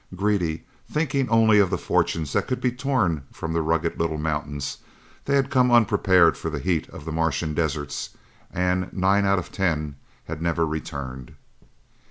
Greedy, thinking only of the fortunes that could be torn from the rugged little mountains, they had come unprepared for the heat of the Martian deserts and nine out of ten had never returned.